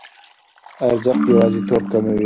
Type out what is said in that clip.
ارزښت یوازیتوب کموي.